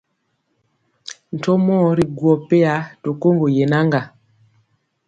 Ntomɔɔ ri gwɔ peya to koŋgo yenaŋga.